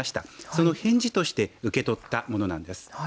その返事として受け取ったものなんです。